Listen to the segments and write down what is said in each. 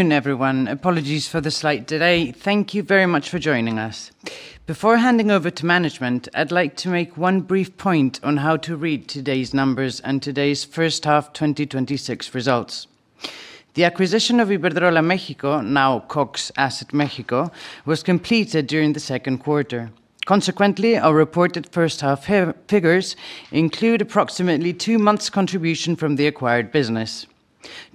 Good afternoon, everyone. Apologies for the slight delay. Thank you very much for joining us. Before handing over to management, I'd like to make one brief point on how to read today's numbers and today's first half 2026 results. The acquisition of Iberdrola Mexico, now Cox Asset Mexico, was completed during the second quarter. Consequently, our reported first half figures include approximately two months contribution from the acquired business.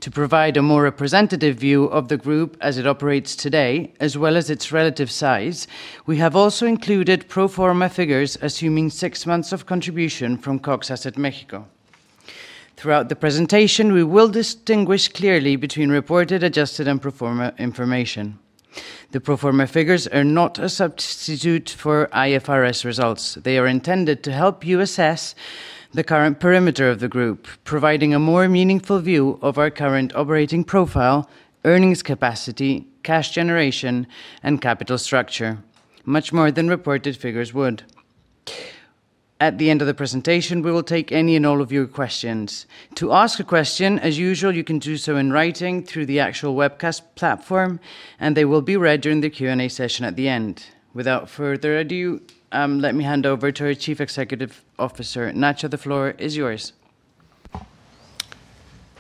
To provide a more representative view of the group as it operates today, as well as its relative size, we have also included pro forma figures, assuming six months of contribution from Cox Asset Mexico. Throughout the presentation, we will distinguish clearly between reported, adjusted, and pro forma information. The pro forma figures are not a substitute for IFRS results. They are intended to help you assess the current perimeter of the group, providing a more meaningful view of our current operating profile, earnings capacity, cash generation, and capital structure, much more than reported figures would. At the end of the presentation, we will take any and all of your questions. To ask a question, as usual, you can do so in writing through the actual webcast platform, they will be read during the Q&A session at the end. Without further ado, let me hand over to our Chief Executive Officer. Nacho, the floor is yours.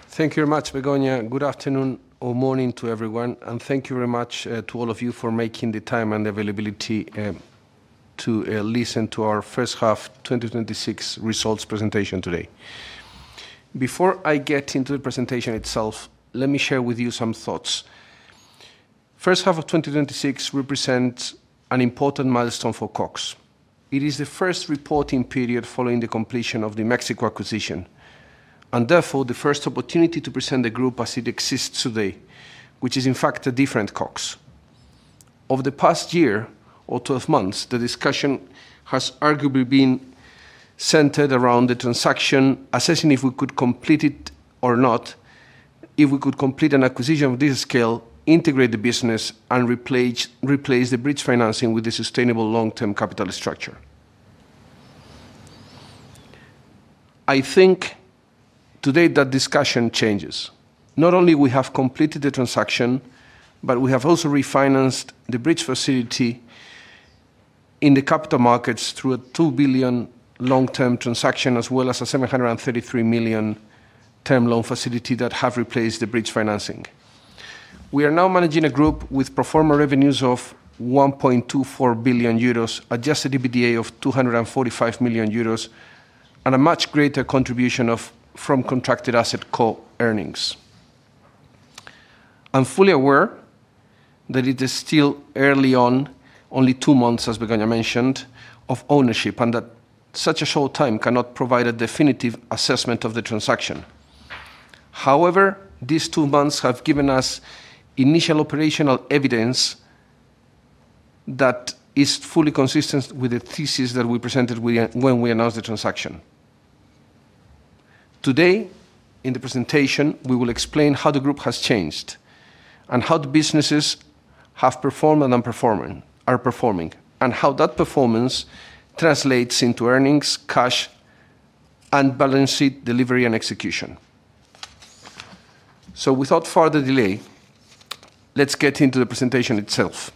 Thank you very much, Begoña. Good afternoon or morning to everyone, thank you very much to all of you for making the time and availability to listen to our first half 2026 results presentation today. Before I get into the presentation itself, let me share with you some thoughts. First half of 2026 represents an important milestone for Cox. It is the first reporting period following the completion of the Mexico acquisition, therefore the first opportunity to present the group as it exists today, which is in fact a different Cox. Over the past year or 12 months, the discussion has arguably been centered around the transaction, assessing if we could complete it or not, if we could complete an acquisition of this scale, integrate the business, replace the bridge financing with a sustainable long-term capital structure. I think today that discussion changes. Not only we have completed the transaction, we have also refinanced the bridge facility in the capital markets through a 2 billion long-term transaction, as well as a 733 million term loan facility that have replaced the bridge financing. We are now managing a group with pro forma revenues of 1.24 billion euros, adjusted EBITDA of 245 million euros, a much greater contribution from contracted Asset Co earnings. I'm fully aware that it is still early on, only two months, as Begoña mentioned, of ownership, that such a short time cannot provide a definitive assessment of the transaction. However, these two months have given us initial operational evidence that is fully consistent with the thesis that we presented when we announced the transaction. Today, in the presentation, we will explain how the group has changed and how the businesses have performed and are performing, and how that performance translates into earnings, cash, and balance sheet delivery and execution. Without further delay, let's get into the presentation itself.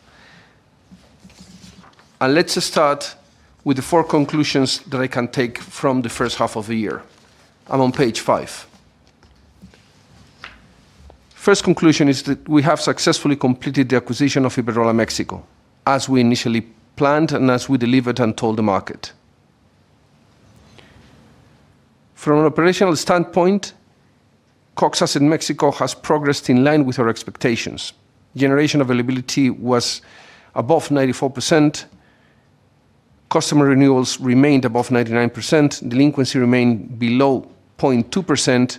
Let's start with the four conclusions that I can take from the first half of the year. I'm on page five. First conclusion is that we have successfully completed the acquisition of Iberdrola Mexico, as we initially planned and as we delivered and told the market. From an operational standpoint, Cox Asset Mexico has progressed in line with our expectations. Generation availability was above 94%, customer renewals remained above 99%, delinquency remained below 0.2%,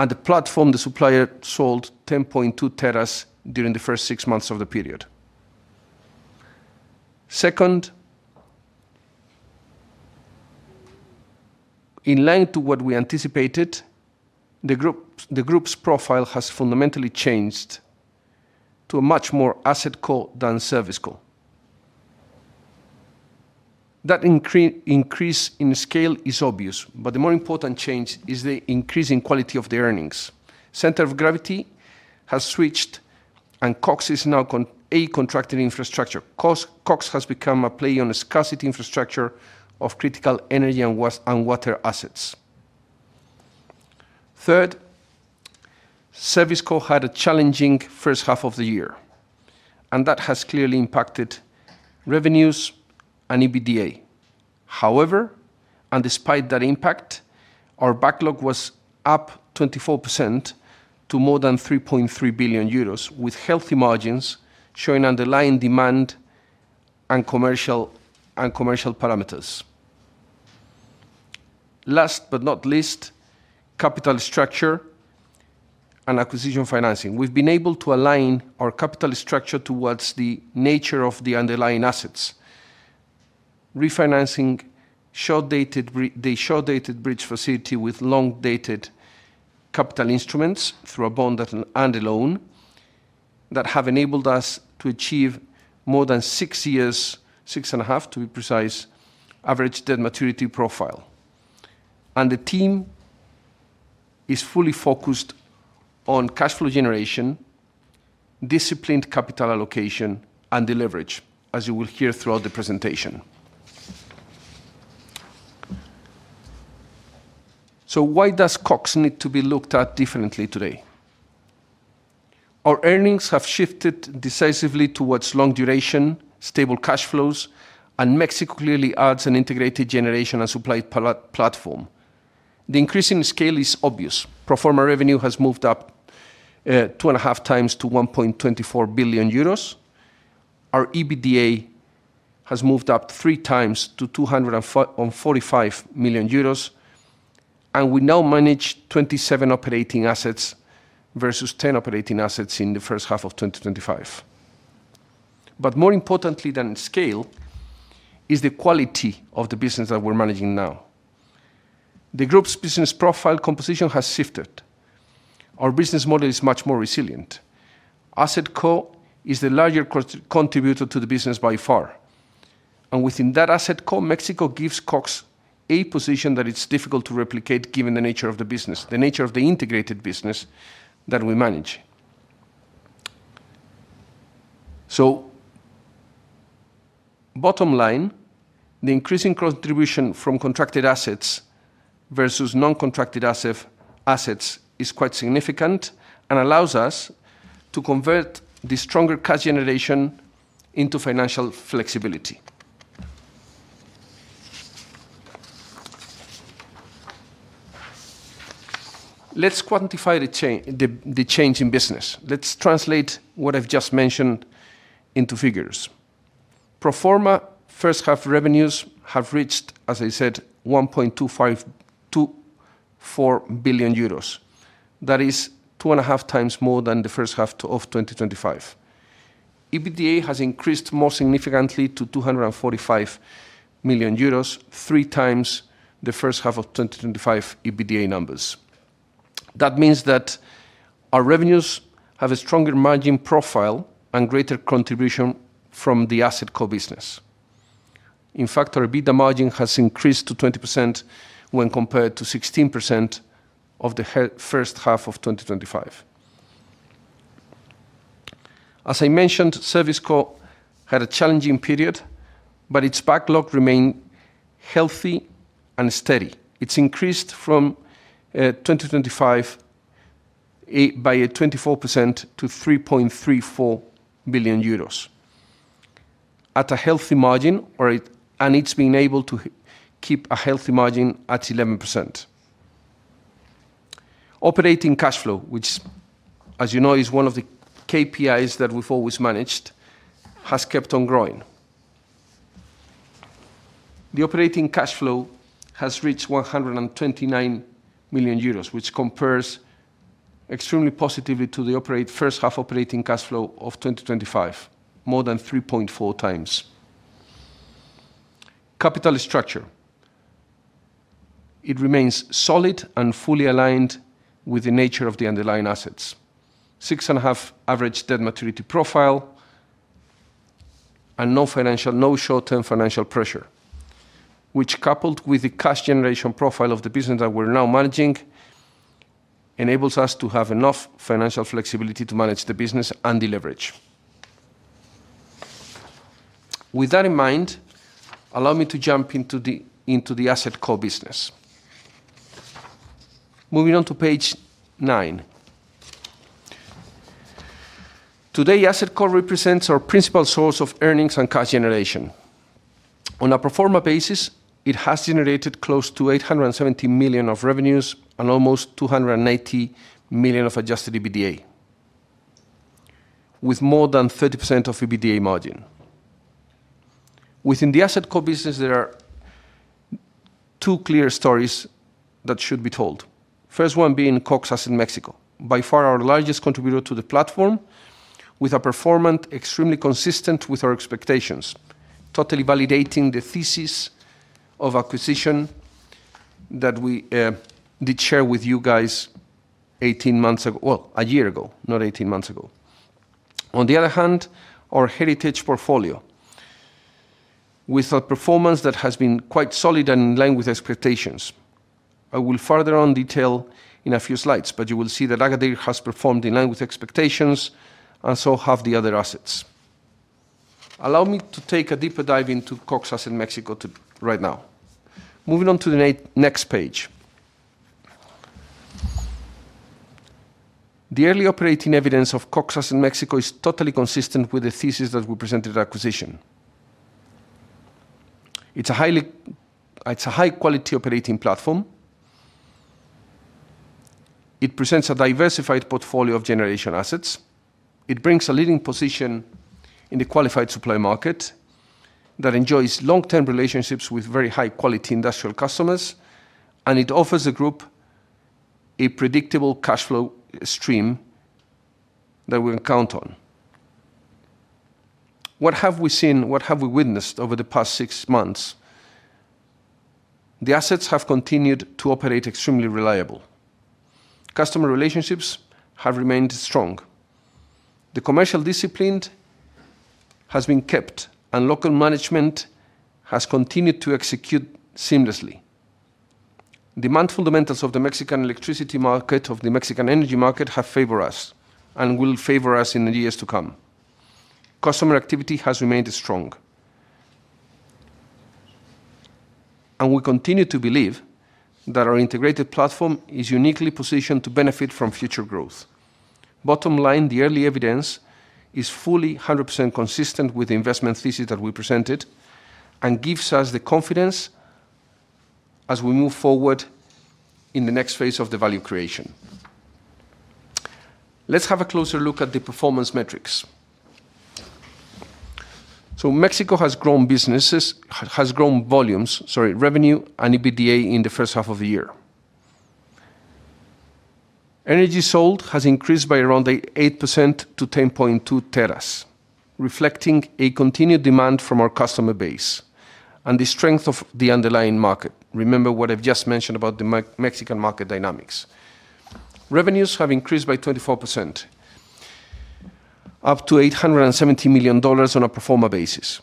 and the platform, the supplier sold 10.2 TWh during the first six months of the period. Second, in line to what we anticipated, the group's profile has fundamentally changed to a much more Asset Co than Service Co. That increase in scale is obvious, but the more important change is the increase in quality of the earnings. Center of gravity has switched, Cox is now a contracted infrastructure. Cox has become a play on the scarcity infrastructure of critical energy and water assets. Third, Service Co had a challenging first half of the year, that has clearly impacted revenues and EBITDA. However, despite that impact, our backlog was up 24% to more than 3.3 billion euros, with healthy margins showing underlying demand and commercial parameters. Last but not least, capital structure and acquisition financing. We've been able to align our capital structure towards the nature of the underlying assets, refinancing the short-dated bridge facility with long-dated capital instruments through a bond and a loan that have enabled us to achieve more than six years, six and a half, to be precise, average debt maturity profile. The team is fully focused on cash flow generation, disciplined capital allocation, and the leverage, as you will hear throughout the presentation. Why does Cox need to be looked at differently today? Our earnings have shifted decisively towards long duration, stable cash flows, and Mexico clearly adds an integrated generation and supply platform. The increase in scale is obvious. pro forma revenue has moved up two and a half times to 1.24 billion euros. Our EBITDA has moved up three times to 245 million euros, and we now manage 27 operating assets versus 10 operating assets in the first half of 2025. More importantly than scale is the quality of the business that we're managing now. The group's business profile composition has shifted. Our business model is much more resilient. Asset Co is the larger contributor to the business by far, and within that Asset Co, Mexico gives Cox a position that it's difficult to replicate given the nature of the business, the nature of the integrated business that we manage. Bottom line, the increasing contribution from contracted assets versus non-contracted assets is quite significant and allows us to convert the stronger cash generation into financial flexibility. Let's quantify the change in business. Let's translate what I've just mentioned into figures. Pro forma first half revenues have reached, as I said, 1.2524 billion euros. That is two and a half times more than the first half of 2025. EBITDA has increased more significantly to 245 million euros, three times the first half of 2025 EBITDA numbers. That means that our revenues have a stronger margin profile and greater contribution from the Asset Co business. In fact, our EBITDA margin has increased to 20% when compared to 16% of the first half of 2025. As I mentioned, Service Co had a challenging period, its backlog remained healthy and steady. It's increased from 2025 by 24% to 3.34 billion euros at a healthy margin, it's been able to keep a healthy margin at 11%. Operating cash flow, which as you know is one of the KPIs that we've always managed, has kept on growing. The operating cash flow has reached 129 million euros, which compares extremely positively to the first half operating cash flow of 2025, more than 3.4 times. Capital structure. It remains solid and fully aligned with the nature of the underlying assets. Six and a half average debt maturity profile and no short-term financial pressure, which coupled with the cash generation profile of the business that we're now managing, enables us to have enough financial flexibility to manage the business and the leverage. With that in mind, allow me to jump into the Asset Co business. Moving on to page nine. Today, Asset Co represents our principal source of earnings and cash generation. On a pro forma basis, it has generated close to $870 million of revenues and almost $280 million of adjusted EBITDA, with more than 30% of EBITDA margin. Within the Asset Co business, there are two clear stories that should be told. First one being Cox Asset in Mexico. By far our largest contributor to the platform, with a performance extremely consistent with our expectations, totally validating the thesis of acquisition that we did share with you guys 18 months ago. Well, a year ago, not 18 months ago. On the other hand, our heritage portfolio. With a performance that has been quite solid and in line with expectations. I will further on detail in a few slides, you will see that Agadir has performed in line with expectations and so have the other assets. Allow me to take a deeper dive into Cox Asset in Mexico right now. Moving on to the next page. The early operating evidence of Cox Asset in Mexico is totally consistent with the thesis that we presented at acquisition. It's a high-quality operating platform. It presents a diversified portfolio of generation assets. It brings a leading position in the qualified supply market that enjoys long-term relationships with very high-quality industrial customers, it offers the group a predictable cash flow stream that we can count on. What have we seen? What have we witnessed over the past six months? The assets have continued to operate extremely reliable. Customer relationships have remained strong. The commercial discipline has been kept, local management has continued to execute seamlessly. Demand fundamentals of the Mexican electricity market, of the Mexican energy market, have favored us and will favor us in the years to come. Customer activity has remained strong. We continue to believe that our integrated platform is uniquely positioned to benefit from future growth. Bottom line, the early evidence is fully 100% consistent with the investment thesis that we presented and gives us the confidence as we move forward in the next phase of the value creation. Let's have a closer look at the performance metrics. Mexico has grown volumes, revenue, and EBITDA in the first half of the year. Energy sold has increased by around 8% to 10.2 TWh, reflecting a continued demand from our customer base and the strength of the underlying market. Remember what I've just mentioned about the Mexican market dynamics. Revenues have increased by 24%, up to $870 million on a pro forma basis.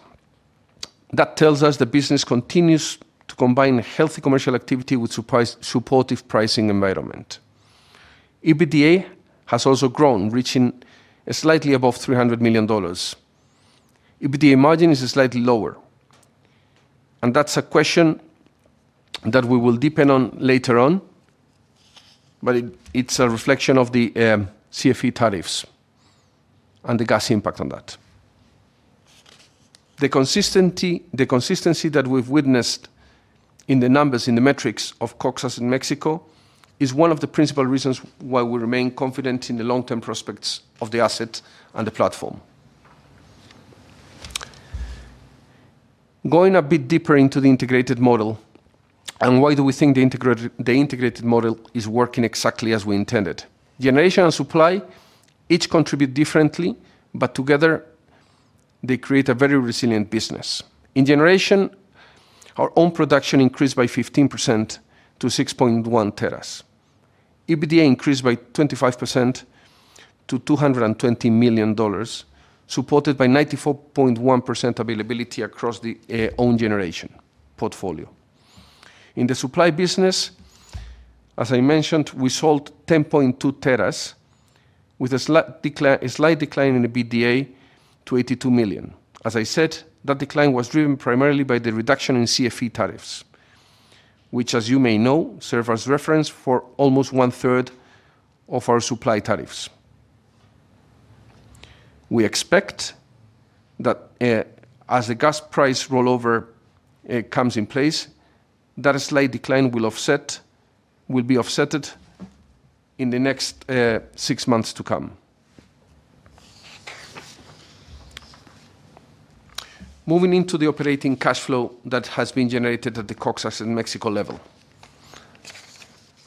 That tells us the business continues to combine healthy commercial activity with supportive pricing environment. EBITDA has also grown, reaching slightly above $300 million. EBITDA margin is slightly lower, that's a question that we will depend on later on, but it's a reflection of the CFE tariffs and the gas impact on that. The consistency that we've witnessed in the numbers, in the metrics of Cox Gas in Mexico is one of the principal reasons why we remain confident in the long-term prospects of the asset and the platform. Going a bit deeper into the integrated model, why do we think the integrated model is working exactly as we intended. Generation and supply each contribute differently, but together they create a very resilient business. In generation, our own production increased by 15% to 6.1 TWh. EBITDA increased by 25% to $220 million, supported by 94.1% availability across the owned generation portfolio. In the supply business, as I mentioned, we sold 10.2 TWh with a slight decline in EBITDA to $82 million. As I said, that decline was driven primarily by the reduction in CFE tariffs, which as you may know, serve as reference for almost one-third of our supply tariffs. We expect that as the gas price rollover comes in place, that slight decline will be offsetted in the next six months to come. Moving into the operating cash flow that has been generated at the Cox Gas in Mexico level.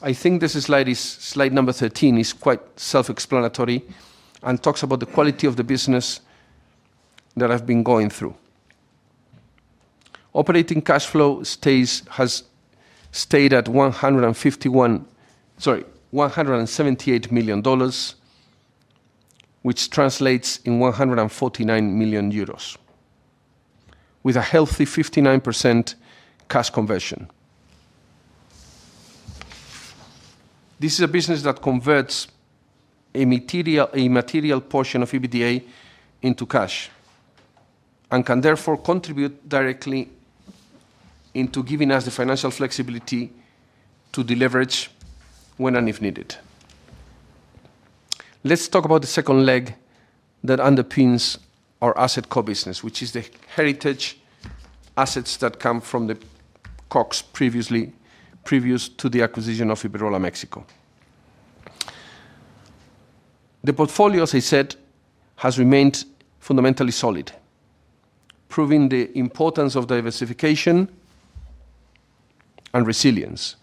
I think this slide, number 13, is quite self-explanatory and talks about the quality of the business that I've been going through. Operating cash flow has stayed at 151, sorry, $178 million, which translates in 149 million euros with a healthy 59% cash conversion. This is a business that converts a material portion of EBITDA into cash, can therefore contribute directly into giving us the financial flexibility to deleverage when and if needed. Let's talk about the second leg that underpins our Asset Co business, which is the heritage assets that come from the Cox previous to the acquisition of Iberdrola Mexico. The portfolio, as I said, has remained fundamentally solid, proving the importance of diversification and resilience.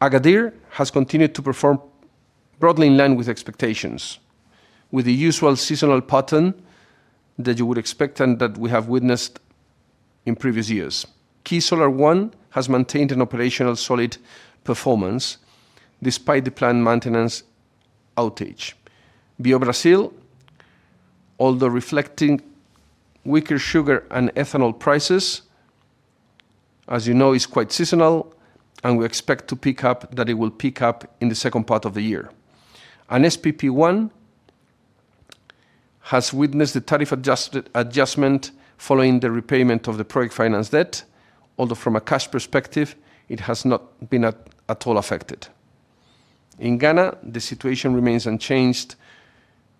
Agadir has continued to perform broadly in line with expectations, with the usual seasonal pattern that you would expect and that we have witnessed in previous years. Khi Solar One has maintained an operational solid performance despite the planned maintenance outage. BioBrasil, although reflecting weaker sugar and bioethanol prices, as you know, is quite seasonal, and we expect that it will pick up in the second part of the year. SPP 1 has witnessed a tariff adjustment following the repayment of the project finance debt, although from a cash perspective, it has not been at all affected. In Ghana, the situation remains unchanged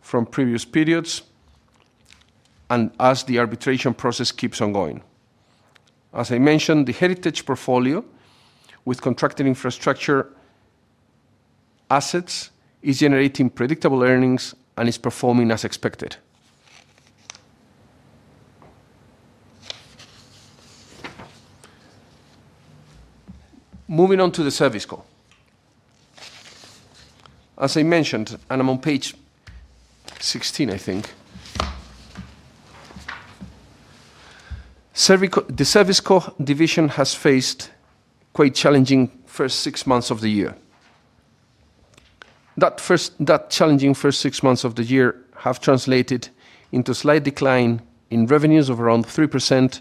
from previous periods as the arbitration process keeps on going. As I mentioned, the heritage portfolio with contracted infrastructure assets is generating predictable earnings and is performing as expected. Moving on to the Service Co. As I mentioned, and I'm on page 16, I think. The Service Co division has faced quite challenging first six months of the year. That challenging first six months of the year have translated into slight decline in revenues of around 3%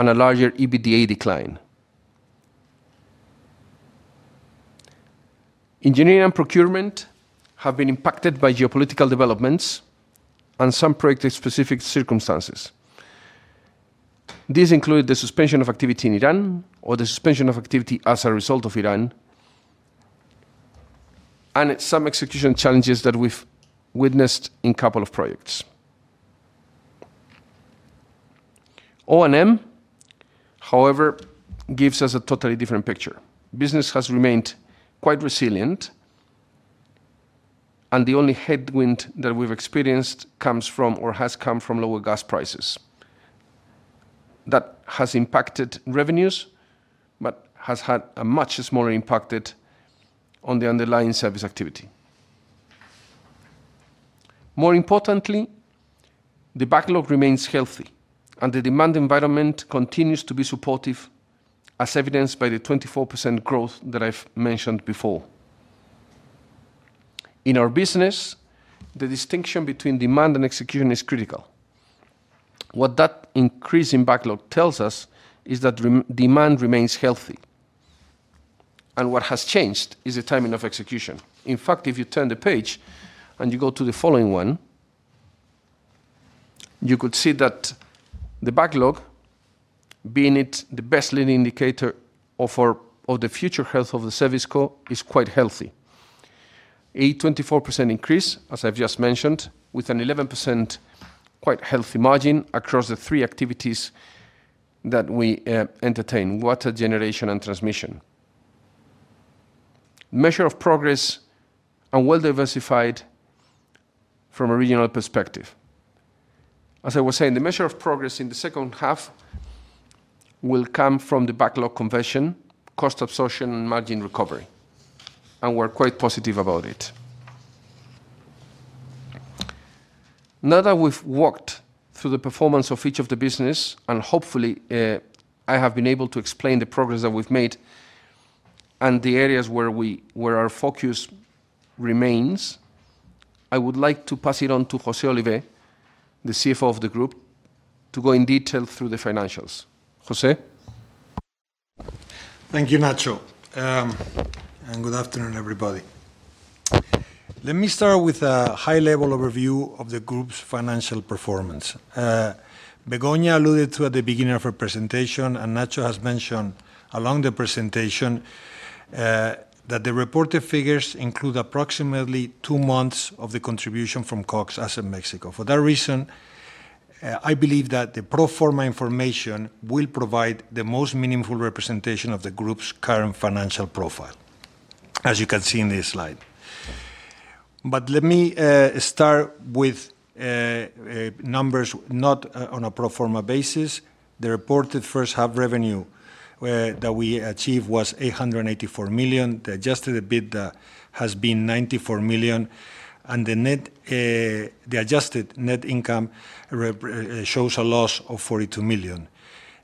and a larger EBITDA decline. Engineering and procurement have been impacted by geopolitical developments and some project-specific circumstances. These include the suspension of activity in Iran or the suspension of activity as a result of Iran, and some execution challenges that we've witnessed in couple of projects. O&M, however, gives us a totally different picture. Business has remained quite resilient. The only headwind that we've experienced comes from, or has come from lower gas prices. That has impacted revenues but has had a much smaller impact on the underlying service activity. More importantly, the backlog remains healthy, and the demand environment continues to be supportive, as evidenced by the 24% growth that I've mentioned before. In our business, the distinction between demand and execution is critical. What that increase in backlog tells us is that demand remains healthy, and what has changed is the timing of execution. In fact, if you turn the page and you go to the following one, you could see that the backlog, being the best leading indicator of the future health of the Service Co, is quite healthy. A 24% increase, as I've just mentioned, with an 11% quite healthy margin across the three activities that we entertain, water, generation, and transmission. Well-diversified from a regional perspective. As I was saying, the measure of progress in the second half will come from the backlog conversion, cost absorption, and margin recovery. We're quite positive about it. Now that we've walked through the performance of each of the business, hopefully I have been able to explain the progress that we've made and the areas where our focus remains, I would like to pass it on to Jose Olivé, the CFO of the group, to go in detail through the financials. Jose? Thank you, Nacho. Good afternoon, everybody. Let me start with a high-level overview of the group's financial performance. Begoña alluded to at the beginning of her presentation, and Nacho has mentioned along the presentation, that the reported figures include approximately two months of the contribution from Cox Asset Mexico. For that reason, I believe that the pro forma information will provide the most meaningful representation of the group's current financial profile, as you can see in this slide. Let me start with numbers not on a pro forma basis. The reported first half revenue that we achieved was 884 million. The adjusted EBITDA has been 94 million, and the adjusted net income shows a loss of 42 million.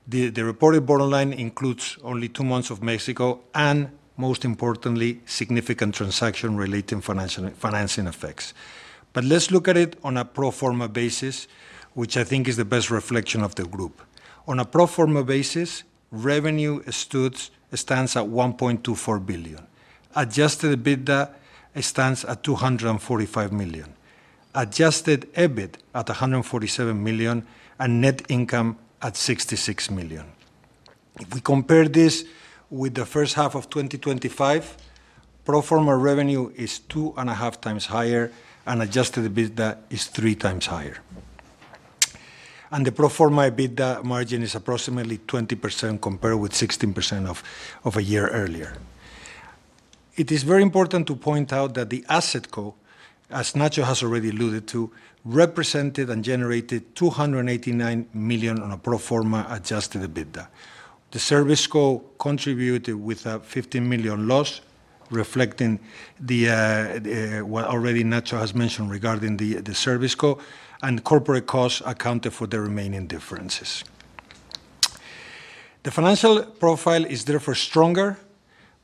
The reported bottom line includes only two months of Mexico and, most importantly, significant transaction-related financing effects. Let's look at it on a pro forma basis, which I think is the best reflection of the group. On a pro forma basis, revenue stands at 1.24 billion. Adjusted EBITDA stands at 245 million. Adjusted EBIT at 147 million, and net income at 66 million. If we compare this with the first half of 2025, pro forma revenue is two and a half times higher, and adjusted EBITDA is 3 times higher. The pro forma EBITDA margin is approximately 20% compared with 16% of a year earlier. It is very important to point out that the Asset Co, as Nacho has already alluded to, represented and generated 289 million on a pro forma adjusted EBITDA. The Service Co contributed with a 15 million loss, reflecting what already Nacho has mentioned regarding the Service Co, and corporate costs accounted for the remaining differences. The financial profile is therefore stronger,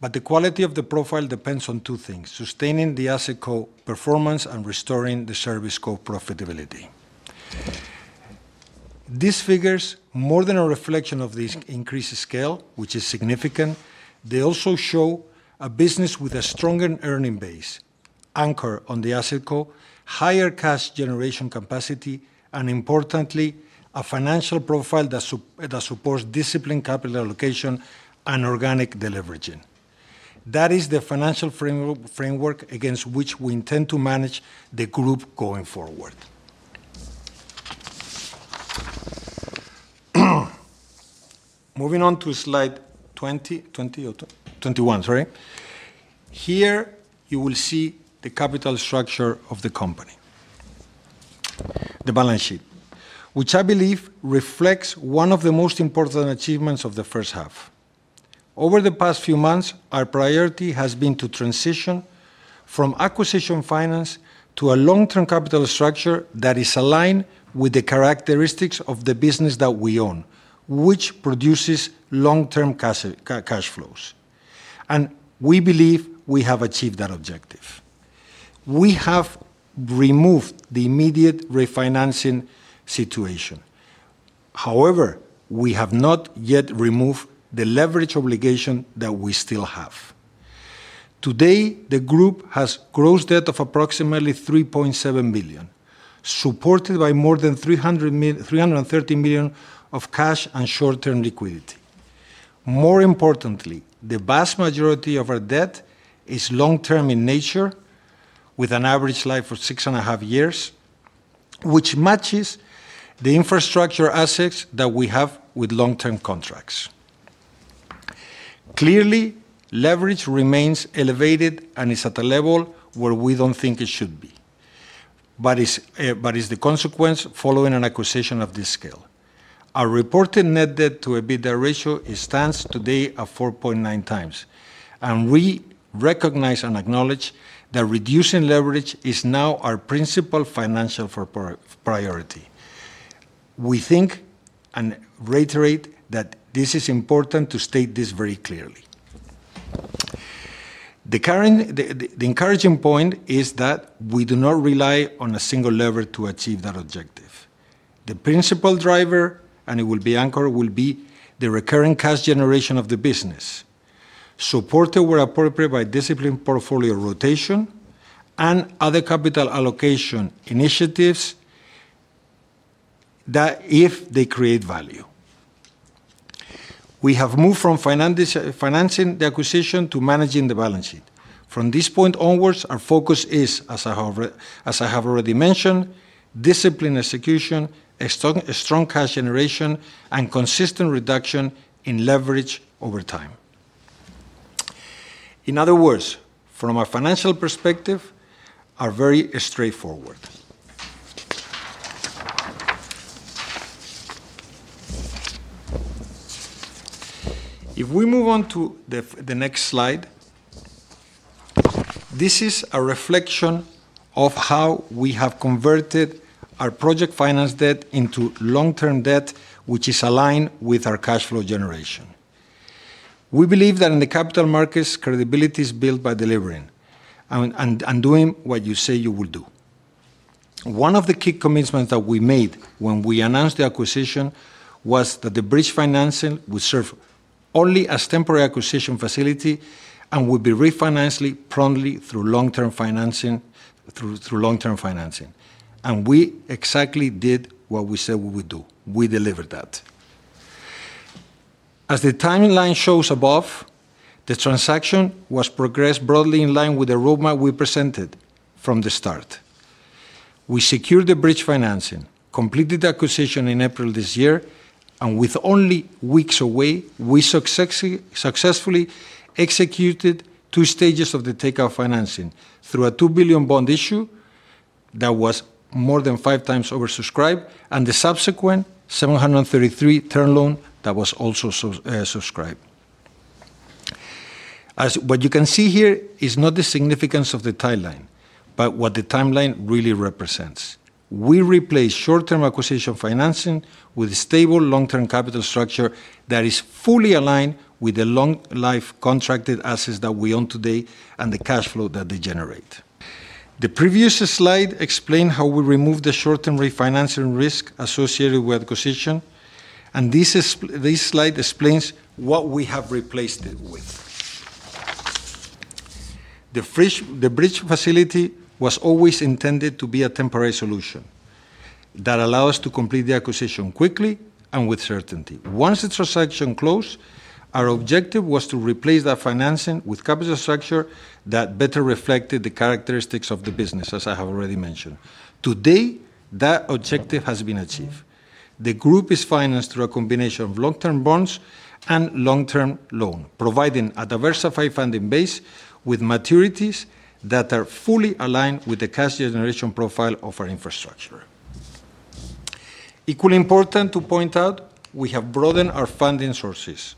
but the quality of the profile depends on two things, sustaining the Asset Co performance and restoring the Service Co profitability. These figures, more than a reflection of this increased scale, which is significant, they also show a business with a stronger earning base, anchor on the Asset Co, higher cash generation capacity, and importantly, a financial profile that supports disciplined capital allocation and organic deleveraging. That is the financial framework against which we intend to manage the group going forward. Moving on to slide 21. Here, you will see the capital structure of the company. The balance sheet, which I believe reflects one of the most important achievements of the first half. Over the past few months, our priority has been to transition from acquisition finance to a long-term capital structure that is aligned with the characteristics of the business that we own, which produces long-term cash flows. We believe we have achieved that objective. We have removed the immediate refinancing situation. We have not yet removed the leverage obligation that we still have. Today, the group has gross debt of approximately 3.7 billion, supported by more than 330 million of cash and short-term liquidity. More importantly, the vast majority of our debt is long-term in nature, with an average life of six and a half years, which matches the infrastructure assets that we have with long-term contracts. Clearly, leverage remains elevated and is at a level where we don't think it should be, is the consequence following an acquisition of this scale. Our reported net debt to EBITDA ratio stands today at 4.9 times. We recognize and acknowledge that reducing leverage is now our principal financial priority. We think and reiterate that this is important to state this very clearly. The encouraging point is that we do not rely on a single lever to achieve that objective. The principal driver, and it will be anchor, will be the recurring cash generation of the business, supported where appropriate by disciplined portfolio rotation and other capital allocation initiatives, if they create value. We have moved from financing the acquisition to managing the balance sheet. From this point onwards, our focus is, as I have already mentioned, disciplined execution, a strong cash generation, and consistent reduction in leverage over time. In other words, from a financial perspective, are very straightforward. If we move on to the next slide, this is a reflection of how we have converted our project finance debt into long-term debt, which is aligned with our cash flow generation. We believe that in the capital markets, credibility is built by delivering and doing what you say you will do. One of the key commitments that we made when we announced the acquisition was that the bridge financing would serve only as temporary acquisition facility and would be refinanced promptly through long-term financing. We exactly did what we said we would do. We delivered that. As the timeline shows above, the transaction was progressed broadly in line with the roadmap we presented from the start. We secured the bridge financing, completed the acquisition in April this year, and with only weeks away, we successfully executed 2 stages of the takeout financing through a 2 billion bond issue that was more than five times oversubscribed, and the subsequent $733 term loan that was also subscribed. What you can see here is not the significance of the timeline, but what the timeline really represents. We replaced short-term acquisition financing with a stable long-term capital structure that is fully aligned with the long life contracted assets that we own today and the cash flow that they generate. The previous slide explained how we removed the short-term refinancing risk associated with acquisition. This slide explains what we have replaced it with. The bridge facility was always intended to be a temporary solution that allow us to complete the acquisition quickly and with certainty. Once the transaction closed, our objective was to replace that financing with capital structure that better reflected the characteristics of the business, as I have already mentioned. Today, that objective has been achieved. The group is financed through a combination of long-term bonds and long-term loan, providing a diversified funding base with maturities that are fully aligned with the cash generation profile of our infrastructure. Equally important to point out, we have broadened our funding sources.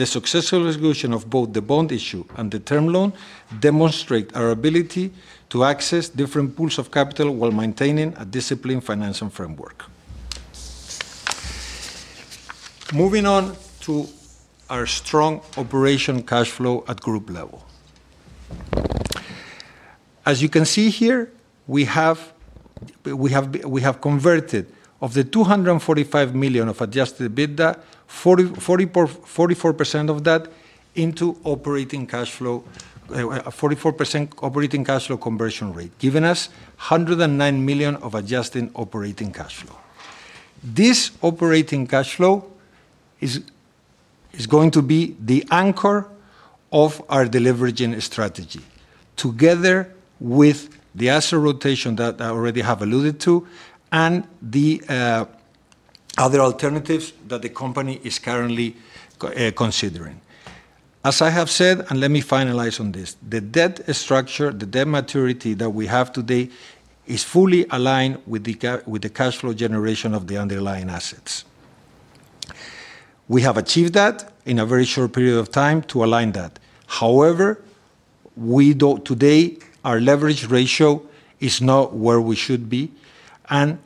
The successful execution of both the bond issue and the term loan demonstrate our ability to access different pools of capital while maintaining a disciplined financial framework. Moving on to our strong operating cash flow at group level. As you can see here, we have converted of the 245 million of adjusted EBITDA, 44% of that into operating cash flow, a 44% operating cash flow conversion rate, giving us 109 million of adjusted operating cash flow. This operating cash flow is going to be the anchor of our deleveraging strategy, together with the asset rotation that I already have alluded to and the other alternatives that the company is currently considering. As I have said, let me finalize on this, the debt structure, the debt maturity that we have today is fully aligned with the cash flow generation of the underlying assets. We have achieved that in a very short period of time to align that. Today, our leverage ratio is not where we should be,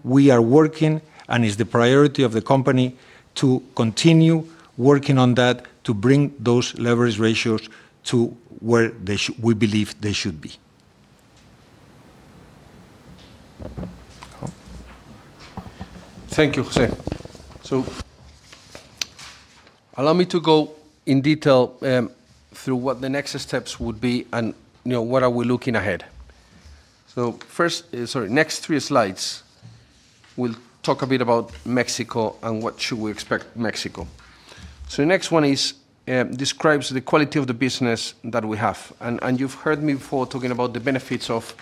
we are working, and it is the priority of the company to continue working on that to bring those leverage ratios to where we believe they should be. Thank you, Jose. Allow me to go in detail through what the next steps would be and what are we looking ahead. First, sorry, next three slides will talk a bit about Mexico and what should we expect Mexico. The next one describes the quality of the business that we have. You've heard me before talking about the benefits of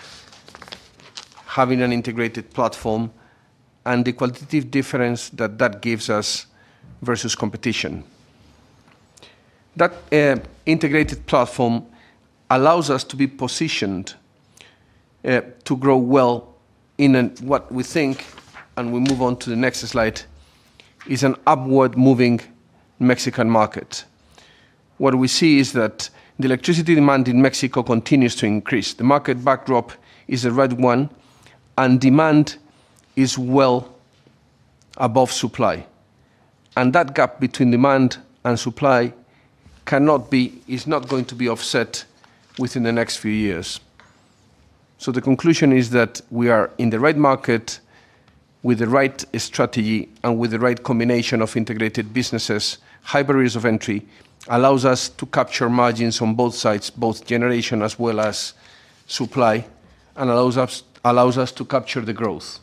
having an integrated platform and the qualitative difference that that gives us versus competition. That integrated platform allows us to be positioned to grow well in what we think, and we'll move on to the next slide, is an upward moving Mexican market. What we see is that the electricity demand in Mexico continues to increase. The market backdrop is a red one, and demand is well above supply. That gap between demand and supply is not going to be offset within the next few years. The conclusion is that we are in the right market with the right strategy and with the right combination of integrated businesses. High barriers of entry allows us to capture margins on both sides, both generation as well as supply, and allows us to capture the growth.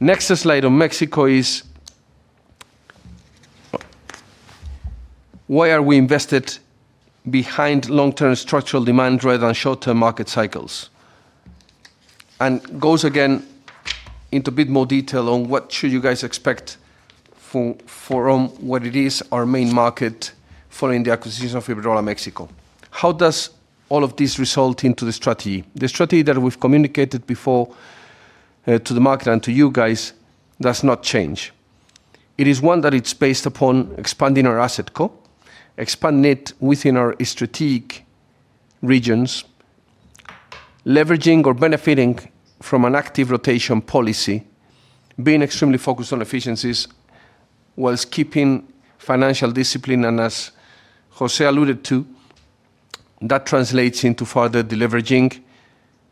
Next slide on Mexico is why are we invested behind long-term structural demand rather than short-term market cycles? Goes again into a bit more detail on what should you guys expect for what it is our main market following the acquisition of Iberdrola Mexico. How does all of this result into the strategy? The strategy that we've communicated before to the market and to you guys does not change. It is one that it is based upon expanding our Asset Co, expanding it within our strategic regions, leveraging or benefiting from an active rotation policy, being extremely focused on efficiencies whilst keeping financial discipline. As Jose alluded to, that translates into further deleveraging,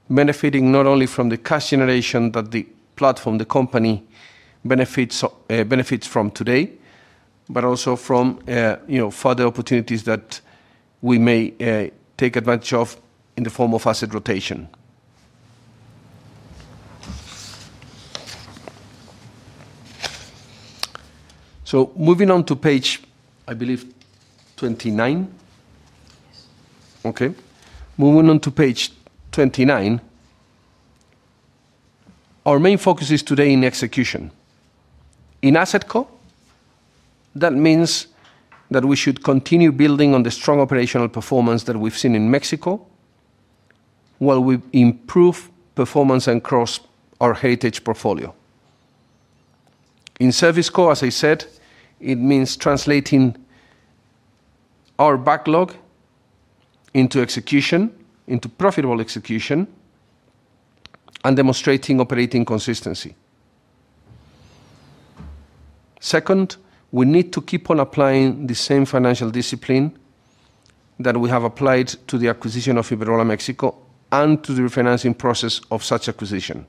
benefiting not only from the cash generation that the platform, the company benefits from today, but also from further opportunities that we may take advantage of in the form of asset rotation. Moving on to page, I believe, 29. Yes. Okay. Moving on to page 29. Our main focus is today in execution. In Asset Co, that means that we should continue building on the strong operational performance that we've seen in Mexico while we improve performance and cross our heritage portfolio. In Service Co, as I said, it means translating our backlog into execution, into profitable execution, and demonstrating operating consistency. Second, we need to keep on applying the same financial discipline that we have applied to the acquisition of Iberdrola Mexico and to the refinancing process of such acquisition.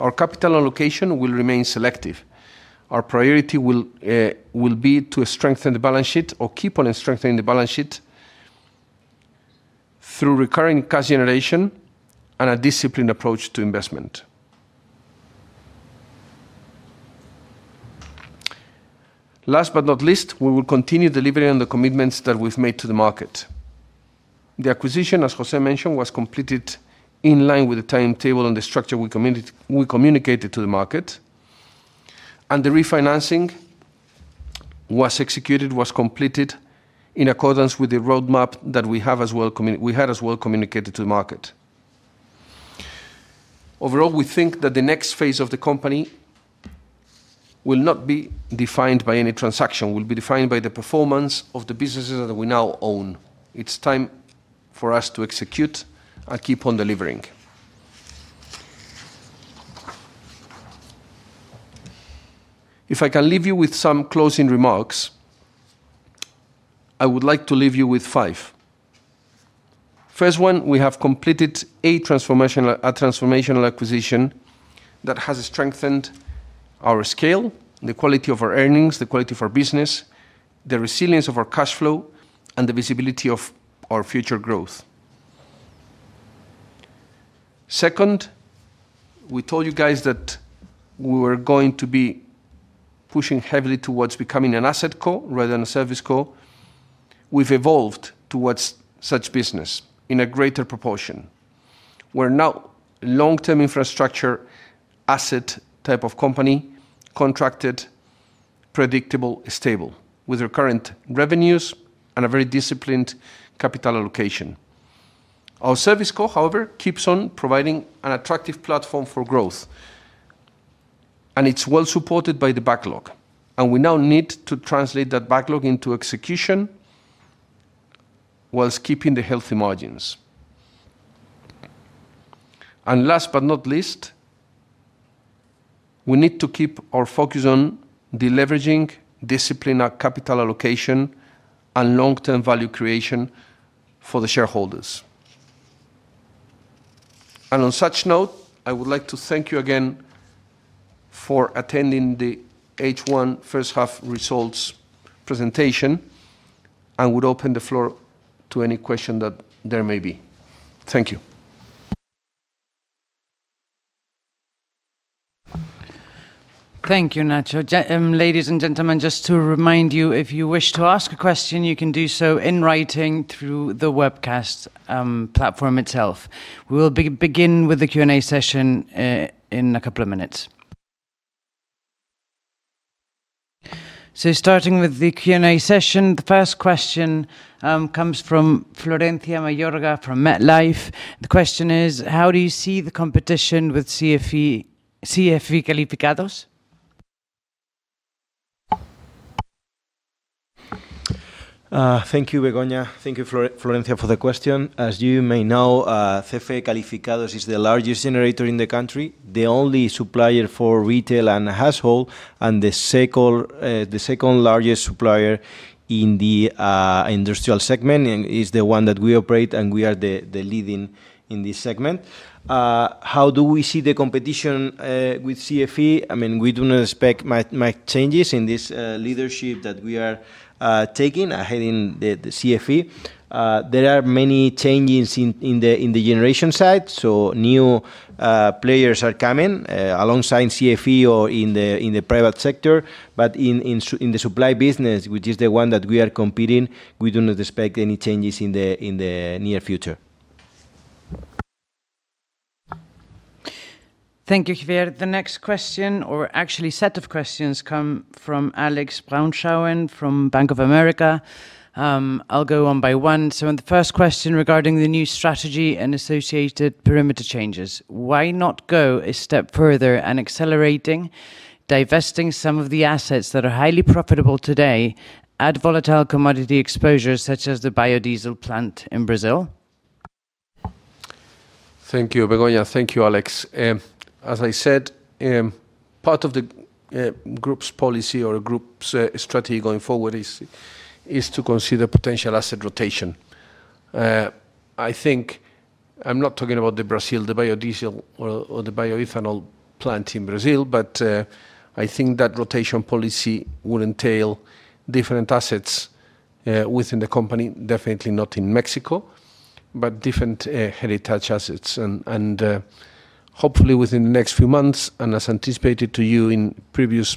Our capital allocation will remain selective. Our priority will be to strengthen the balance sheet or keep on strengthening the balance sheet through recurring cash generation and a disciplined approach to investment. Last but not least, we will continue delivering on the commitments that we've made to the market. The acquisition, as José mentioned, was completed in line with the timetable and the structure we communicated to the market. The refinancing was completed in accordance with the roadmap that we had as well communicated to the market. Overall, we think that the next phase of the company will not be defined by any transaction. It will be defined by the performance of the businesses that we now own. It's time for us to execute and keep on delivering. If I can leave you with some closing remarks, I would like to leave you with five. First one, we have completed a transformational acquisition that has strengthened our scale, the quality of our earnings, the quality of our business, the resilience of our cash flow, and the visibility of our future growth. Second, we told you guys that we were going to be pushing heavily towards becoming an Asset Co rather than a Service Co. We've evolved towards such business in a greater proportion. We're now long-term infrastructure asset type of company, contracted, predictable, stable, with recurrent revenues and a very disciplined capital allocation. Our Service Co, however, keeps on providing an attractive platform for growth, it's well supported by the backlog, and we now need to translate that backlog into execution whilst keeping the healthy margins. Last but not least, we need to keep our focus on deleveraging, discipline our capital allocation, and long-term value creation for the shareholders. On such note, I would like to thank you again for attending the H1 first half results presentation, and would open the floor to any question that there may be. Thank you. Thank you, Nacho. Ladies and gentlemen, just to remind you, if you wish to ask a question, you can do so in writing through the webcast platform itself. We will begin with the Q&A session in a couple of minutes. Starting with the Q&A session, the first question comes from Florencia Mayorga, from MetLife. The question is: how do you see the competition with CFE Calificados? Thank you, Begoña. Thank you, Florencia, for the question. As you may know, CFE Calificados is the largest generator in the country, the only supplier for retail and household, and the second largest supplier in the industrial segment, and is the one that we operate, and we are the lead in this segment. How do we see the competition with CFE? We do not expect much changes in this leadership that we are taking ahead in the CFE. There are many changes in the generation side, so new players are coming alongside CFE or in the private sector. In the supply business, which is the one that we are competing, we do not expect any changes in the near future. Thank you, Javier. The next question, or actually set of questions, come from Alex Braunschwein from Bank of America. I'll go one by one. On the first question regarding the new strategy and associated perimeter changes, why not go a step further and accelerating, divesting some of the assets that are highly profitable today, add volatile commodity exposure, such as the biodiesel plant in Brazil? Thank you, Begoña. Thank you, Alex. As I said, part of the group's policy or group's strategy going forward is to consider potential asset rotation. I'm not talking about the biodiesel or the bioethanol plant in Brazil, but I think that rotation policy would entail different assets within the company, definitely not in Mexico, but different heritage assets. Hopefully within the next few months, and as anticipated to you at previous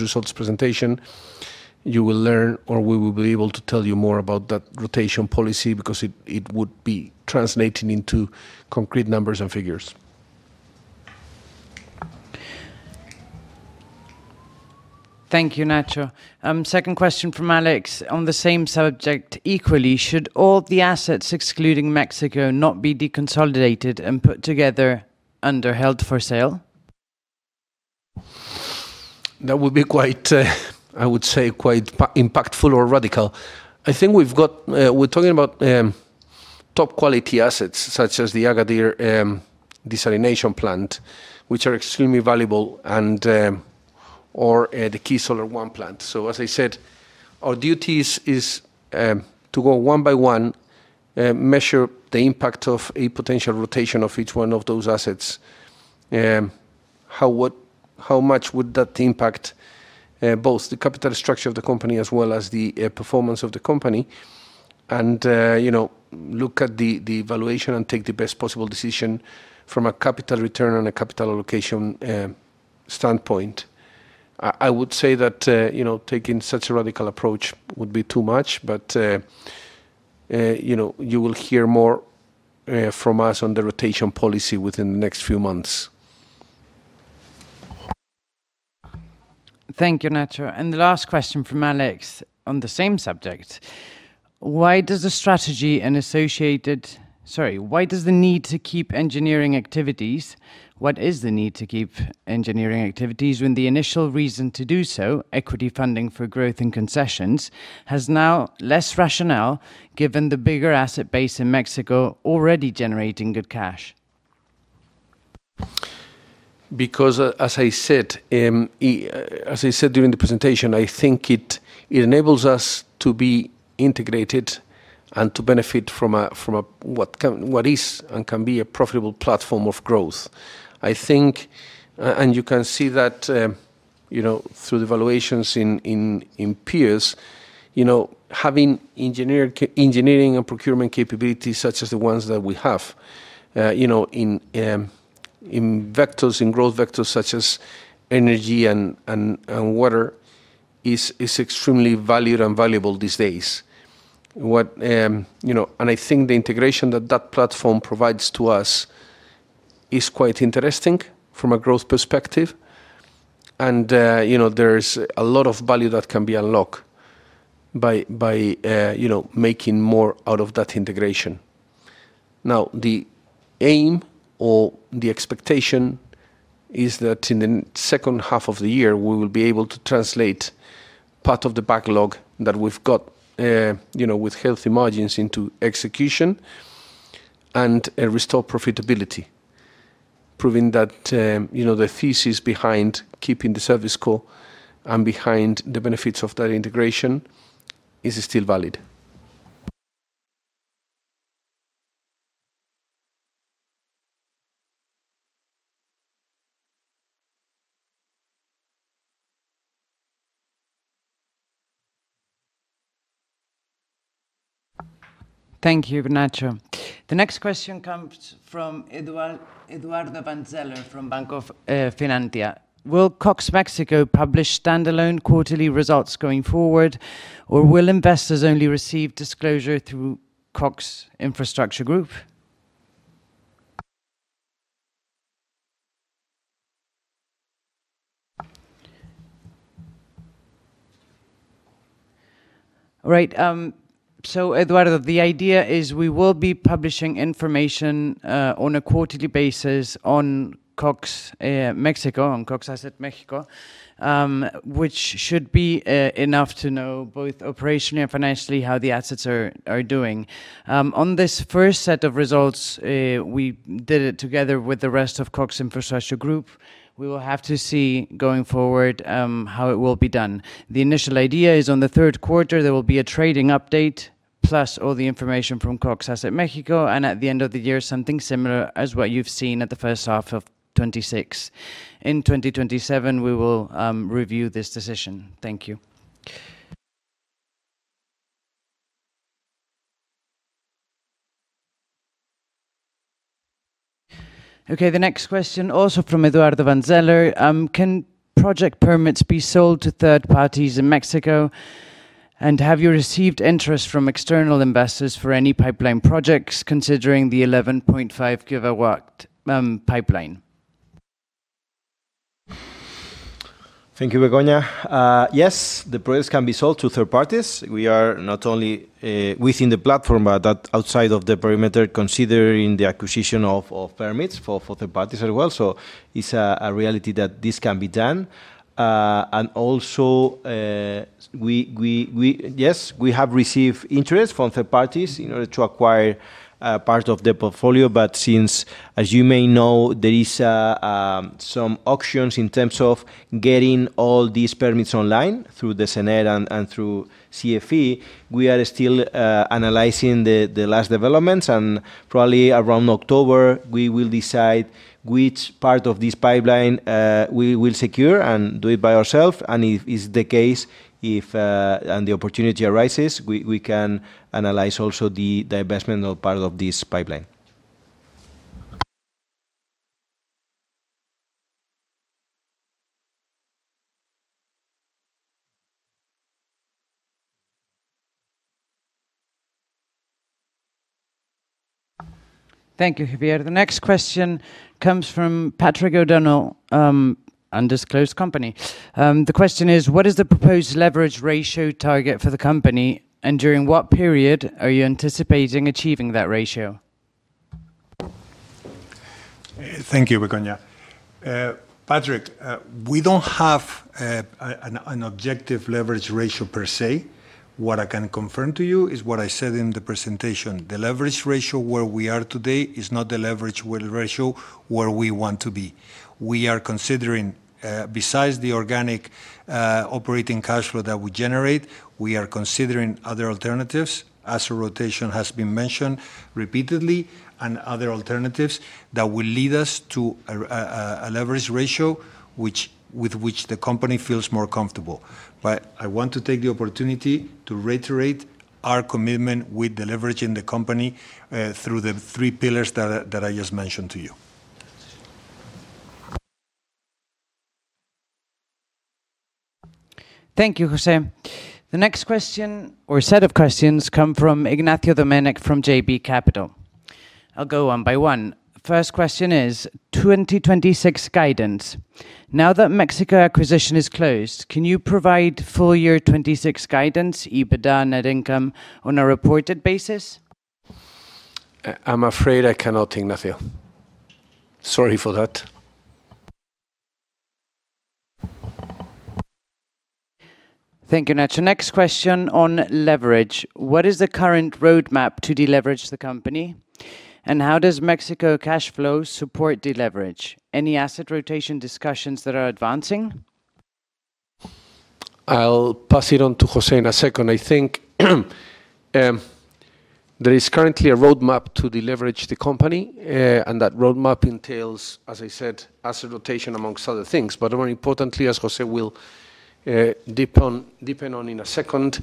results presentation, you will learn, or we will be able to tell you more about that rotation policy because it would be translating into concrete numbers and figures. Thank you, Nacho. Second question from Alex. On the same subject, equally, should all the assets excluding Mexico not be deconsolidated and put together under held for sale? That would be, I would say, quite impactful or radical. I think we're talking about top-quality assets, such as the Agadir desalination plant, which are extremely valuable, or the Khi Solar One plant. As I said, our duties is to go one by one, measure the impact of a potential rotation of each one of those assets. How much would that impact both the capital structure of the company as well as the performance of the company? Look at the valuation and take the best possible decision from a capital return and a capital allocation standpoint. I would say that taking such a radical approach would be too much, you will hear more from us on the rotation policy within the next few months. Thank you, Nacho. The last question from Alex on the same subject. Why does the need to keep engineering activities? What is the need to keep engineering activities when the initial reason to do so, equity funding for growth and concessions, has now less rationale given the bigger asset base in Mexico already generating good cash? As I said during the presentation, I think it enables us to be integrated and to benefit from what is and can be a profitable platform of growth. I think, and you can see that through the valuations in peers, having engineering and procurement capabilities such as the ones that we have in growth vectors such as energy and water is extremely valued and valuable these days. I think the integration that that platform provides to us Is quite interesting from a growth perspective, there is a lot of value that can be unlocked by making more out of that integration. The aim or the expectation is that in the second half of the year, we will be able to translate part of the backlog that we've got with healthy margins into execution and restore profitability, proving that the thesis behind keeping the Service Co and behind the benefits of that integration is still valid. Thank you, Ignacio. The next question comes from Eduardo Vanzeller from Banco Finantia. Will Cox Mexico publish standalone quarterly results going forward, or will investors only receive disclosure through Cox ABG Group? Eduardo, the idea is we will be publishing information on a quarterly basis on Cox Asset Mexico, which should be enough to know both operationally and financially how the assets are doing. On this first set of results, we did it together with the rest of Cox ABG Group. We will have to see going forward how it will be done. The initial idea is on the third quarter, there will be a trading update plus all the information from Cox Asset Mexico, and at the end of the year, something similar as what you've seen at the first half of 2026. In 2027, we will review this decision. Thank you. The next question, also from Eduardo Vanzeller. Can project permits be sold to third parties in Mexico, and have you received interest from external investors for any pipeline projects considering the 11.5 gigawatt pipeline? Thank you, Begoña. Yes, the projects can be sold to third parties. We are not only within the platform, but outside of the perimeter, considering the acquisition of permits for third parties as well. It's a reality that this can be done. Also, yes, we have received interest from third parties in order to acquire a part of the portfolio, since, as you may know, there is some auctions in terms of getting all these permits online through the SENER and through CFE, we are still analyzing the last developments and probably around October, we will decide which part of this pipeline we will secure and do it by ourselves. If it is the case, and the opportunity arises, we can analyze also the divestment of part of this pipeline. Thank you, Javier. The next question comes from Patrick O'Donnell, undisclosed company. The question is, what is the proposed leverage ratio target for the company, and during what period are you anticipating achieving that ratio? Thank you, Begoña. Patrick, we don't have an objective leverage ratio per se. What I can confirm to you is what I said in the presentation. The leverage ratio where we are today is not the leverage ratio where we want to be. Besides the organic operating cash flow that we generate, we are considering other alternatives, asset rotation has been mentioned repeatedly, and other alternatives that will lead us to a leverage ratio with which the company feels more comfortable. I want to take the opportunity to reiterate our commitment with deleveraging the company through the three pillars that I just mentioned to you. Thank you, José. The next question or set of questions come from Ignacio Domenech from JB Capital. I'll go one by one. First question is 2026 guidance. Now that Mexico acquisition is closed, can you provide full year 2026 guidance, EBITDA, net income on a reported basis? I'm afraid I cannot, Ignacio. Sorry for that. Thank you, Ignacio. Next question on leverage. What is the current roadmap to deleverage the company, and how does Mexico cash flow support deleverage? Any asset rotation discussions that are advancing? I'll pass it on to Jose in a second. I think there is currently a roadmap to deleverage the company. That roadmap entails, as I said, asset rotation amongst other things, more importantly, as Jose will deepen on in a second,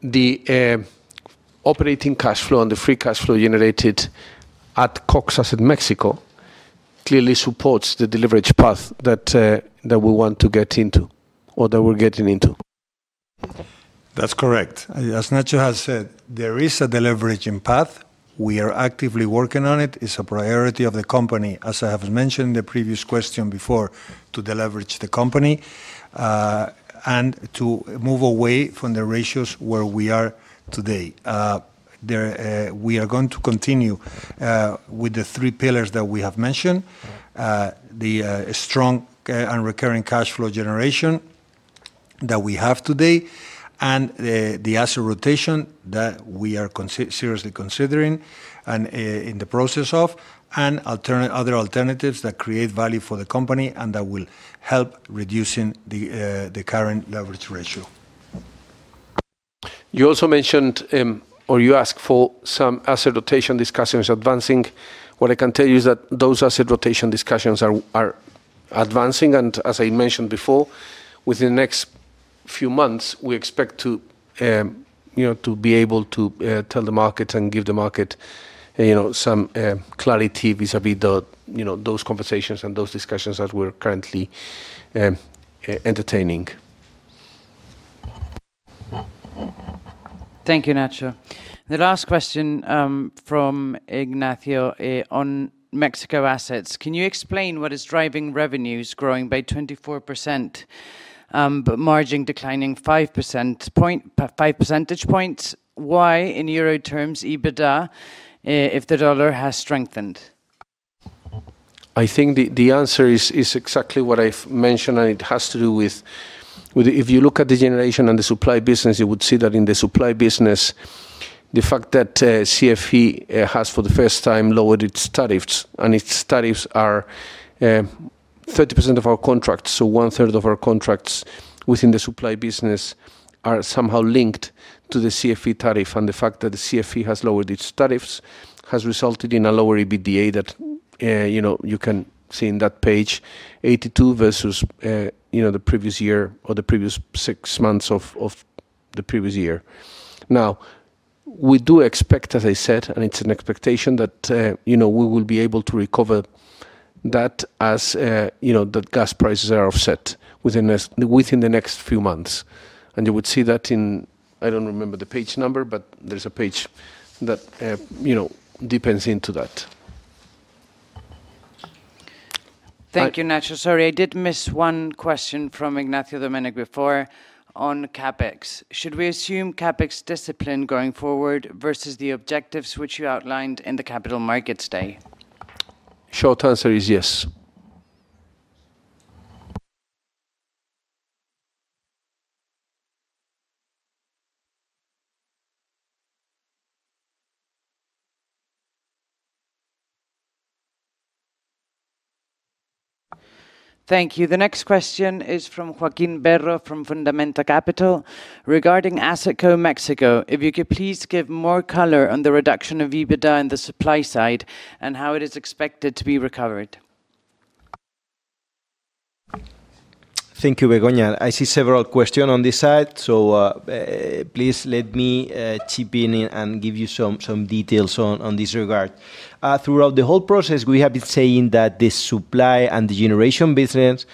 the operating cash flow and the free cash flow generated at Cox Asset Mexico clearly supports the deleverage path that we want to get into, or that we're getting into. That's correct. As Nacho has said, there is a deleveraging path. We are actively working on it. It's a priority of the company, as I have mentioned in the previous question before, to deleverage the company, to move away from the ratios where we are today. We are going to continue with the three pillars that we have mentioned. The strong and recurring cash flow generation that we have today, the asset rotation that we are seriously considering and are in the process of, other alternatives that create value for the company that will help reducing the current leverage ratio. You also mentioned, or you asked for some asset rotation discussions advancing. What I can tell you is that those asset rotation discussions are advancing. As I mentioned before, within the next few months, we expect to be able to tell the market and give the market some clarity vis-à-vis those conversations and those discussions that we're currently entertaining. Thank you, Nacho. The last question from Ignacio on Mexico assets. Can you explain what is driving revenues growing by 24%, margin declining five percentage points? Why, in EUR terms, EBITDA, if the U.S. dollar has strengthened? I think the answer is exactly what I've mentioned. It has to do with, if you look at the generation and the supply business, you would see that in the supply business, the fact that CFE has, for the first time, lowered its tariffs, and its tariffs are 30% of our contracts. One-third of our contracts within the supply business are somehow linked to the CFE tariff. The fact that the CFE has lowered its tariffs has resulted in a lower EBITDA that you can see on page 82 versus the previous year or the previous six months of the previous year. We do expect, as I said, and it's an expectation that we will be able to recover that as the gas prices are offset within the next few months. You would see that in, I don't remember the page number, but there's a page that deepens into that. Thank you, Nacho. Sorry, I did miss one question from Ignacio Domenech before on CapEx. Should we assume CapEx discipline going forward versus the objectives which you outlined in the Capital Markets Day? Short answer is yes. Thank you. The next question is from Joaquin Berro of Fundamenta Capital. Regarding Asset Co Mexico, if you could please give more color on the reduction of EBITDA on the supply side, and how it is expected to be recovered. Thank you, Begoña. Please let me chip in and give you some details on this regard. Throughout the whole process, we have been saying that the supply and the generation business,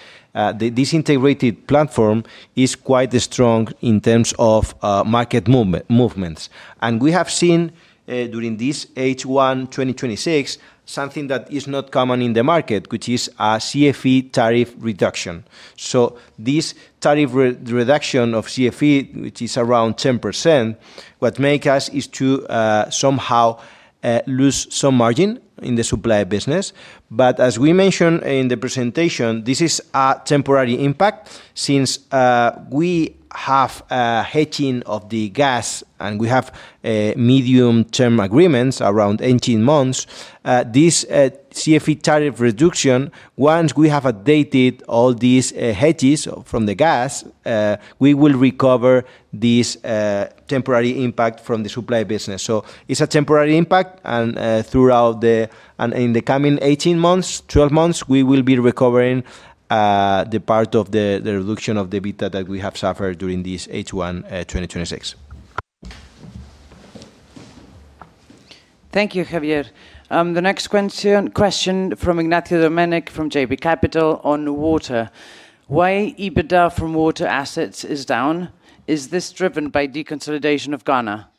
this integrated platform, is quite strong in terms of market movements. We have seen during this H1 2026, something that is not common in the market, which is a CFE tariff reduction. This tariff reduction of CFE, which is around 10%, what makes us is to somehow lose some margin in the supply business. As we mentioned in the presentation, this is a temporary impact since we have a hedging of the gas and we have medium-term agreements around 18 months. This CFE tariff reduction, once we have updated all these hedges from the gas, we will recover this temporary impact from the supply business. It's a temporary impact, and in the coming 18 months, 12 months, we will be recovering the part of the reduction of the EBITDA that we have suffered during this H1 2026. Thank you, Javier. The next question from Ignacio Domenech of JB Capital on water. Why EBITDA from water assets is down? Is this driven by deconsolidation of Ghana?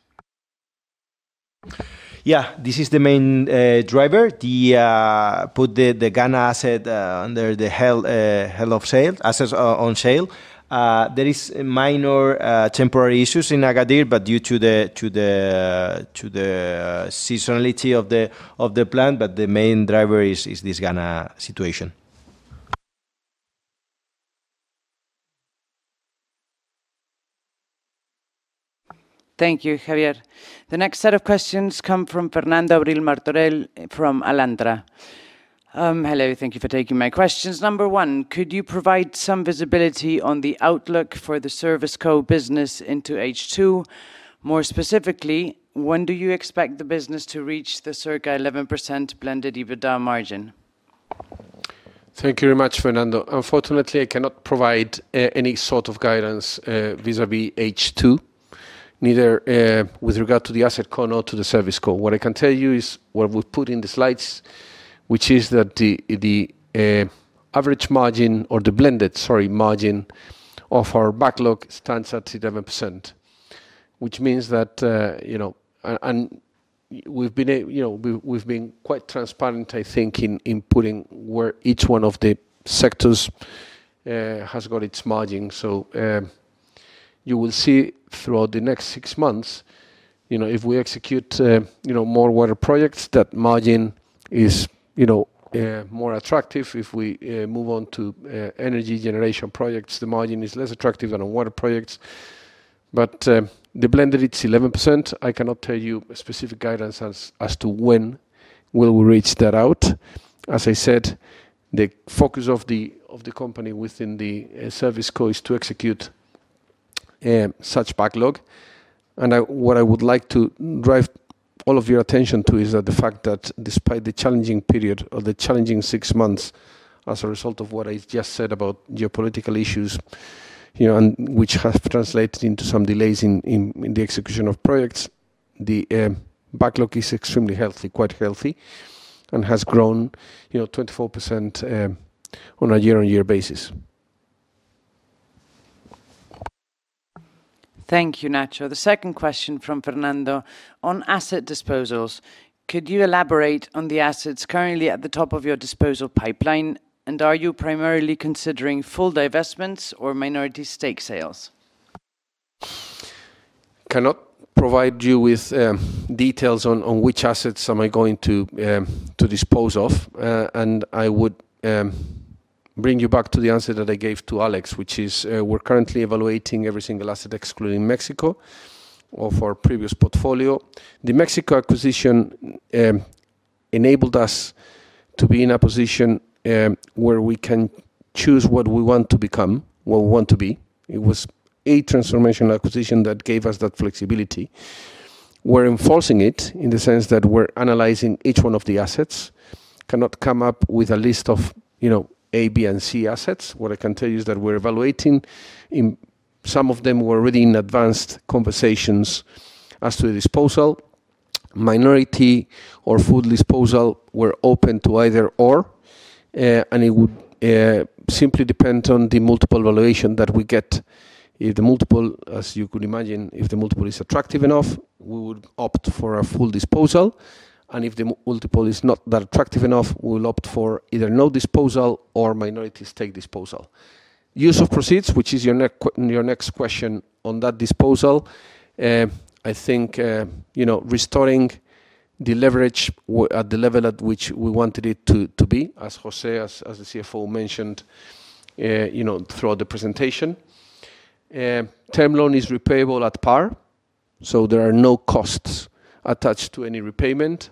Yeah. This is the main driver. Put the Ghana asset under the assets on sale. There is minor temporary issues in Agadir, but due to the seasonality of the plant, but the main driver is this Ghana situation. Thank you, Javier. The next set of questions come from Fernando Brill-Martorell from Alantra. Hello, thank you for taking my questions. Number one, could you provide some visibility on the outlook for the Service Co business into H2? More specifically, when do you expect the business to reach the circa 11% blended EBITDA margin? Thank you very much, Fernando. Unfortunately, I cannot provide any sort of guidance vis-à-vis H2. Neither with regard to the Asset Co nor to the Service Co. What I can tell you is what we've put in the slides, which is that the average margin or the blended, sorry, margin of our backlog stands at 11%, we've been quite transparent, I think, in putting where each one of the sectors has got its margin. You will see throughout the next six months, if we execute more water projects, that margin is more attractive. If we move on to energy generation projects, the margin is less attractive than on water projects. The blended, it's 11%. I cannot tell you specific guidance as to when we will reach that out. As I said, the focus of the company within the Service Co is to execute such backlog. What I would like to drive all of your attention to is the fact that despite the challenging period or the challenging six months, as a result of what I just said about geopolitical issues, which have translated into some delays in the execution of projects, the backlog is extremely healthy, quite healthy, and has grown 24% on a year-on-year basis. Thank you, Nacho. The second question from Fernando. On asset disposals, could you elaborate on the assets currently at the top of your disposal pipeline? Are you primarily considering full divestments or minority stake sales? Cannot provide you with details on which assets am I going to dispose of. I would bring you back to the answer that I gave to Alex, which is, we're currently evaluating every single asset, excluding Mexico, of our previous portfolio. The Mexico acquisition enabled us to be in a position where we can choose what we want to become, what we want to be. It was a transformational acquisition that gave us that flexibility. We're enforcing it in the sense that we're analyzing each one of the assets. Cannot come up with a list of A, B, and C assets. What I can tell you is that we're evaluating. In some of them, we're already in advanced conversations as to the disposal. Minority or full disposal, we're open to either or, and it would simply depend on the multiple valuation that we get. As you could imagine, if the multiple is attractive enough, we would opt for a full disposal, and if the multiple is not that attractive enough, we will opt for either no disposal or minority stake disposal. Use of proceeds, which is your next question on that disposal. I think, restoring the leverage at the level at which we wanted it to be, as Jose, as the CFO mentioned throughout the presentation. Term loan is repayable at par, so there are no costs attached to any repayment.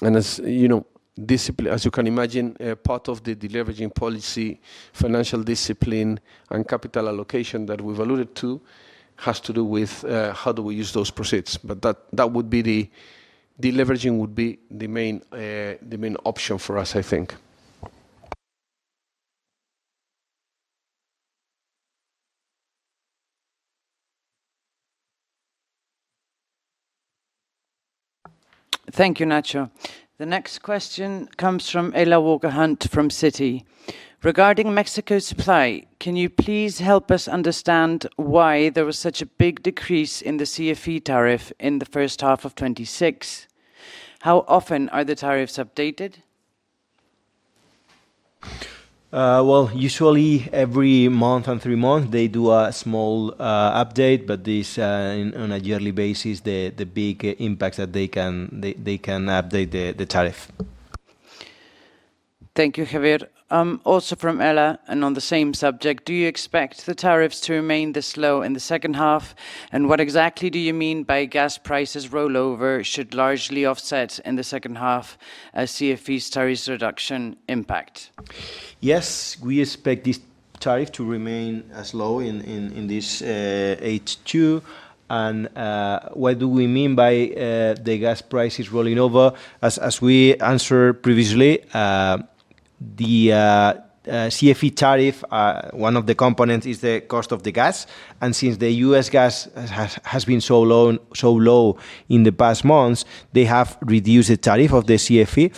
As you can imagine, part of the deleveraging policy, financial discipline, and capital allocation that we've alluded to has to do with how do we use those proceeds. Deleveraging would be the main option for us, I think. Thank you, Nacho. The next question comes from Ella Walker-Hunt from Citi. Regarding Mexico supply, can you please help us understand why there was such a big decrease in the CFE tariff in the first half of 2026? How often are the tariffs updated? Well, usually every month and 3 months, they do a small update. On a yearly basis, the big impact that they can update the tariff. Thank you, Javier. Also from Ella, on the same subject, do you expect the tariffs to remain this low in the second half? What exactly do you mean by gas prices rollover should largely offset in the second half a CFE tariff reduction impact? Yes, we expect this tariff to remain as low in this H2. What do we mean by the gas prices rolling over? As we answered previously, the CFE tariff, one of the components is the cost of the gas. Since the U.S. gas has been so low in the past months, they have reduced the tariff of the CFE.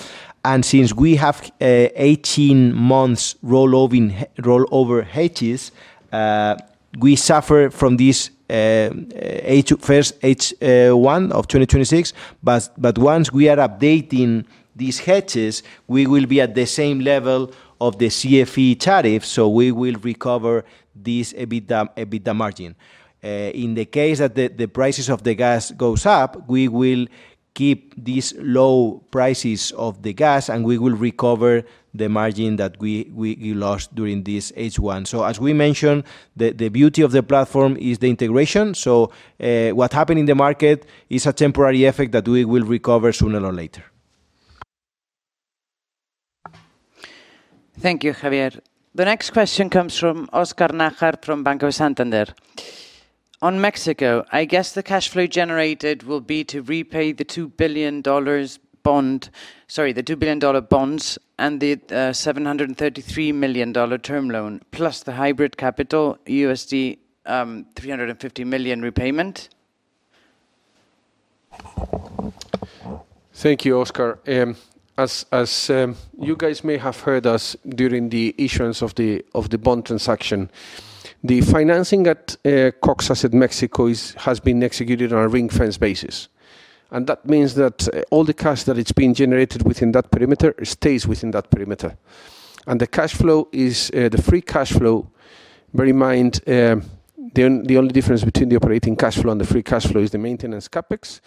Since we have 18 months rollover hedges, we suffer from this first H1 of 2026. Once we are updating these hedges, we will be at the same level of the CFE tariff, so we will recover this EBITDA margin. In the case that the prices of the gas goes up, we will keep these low prices of the gas, and we will recover the margin that we lost during this H1. As we mentioned, the beauty of the platform is the integration. What happened in the market is a temporary effect that we will recover sooner or later. Thank you, Javier. The next question comes from Oscar Najar from Banco Santander. On Mexico, I guess the cash flow generated will be to repay the $2 billion bonds and the $733 million term loan, plus the hybrid capital $350 million repayment? Thank you, Oscar. As you guys may have heard us during the issuance of the bond transaction, the financing at Cox Asset Mexico has been executed on a ring-fence basis. That means that all the cash that it's been generated within that perimeter stays within that perimeter. The free cash flow, bear in mind, the only difference between the operating cash flow and the free cash flow is the maintenance CapEx,